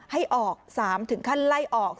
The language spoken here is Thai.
ให้ออก๓ถึงขั้นไล่ออก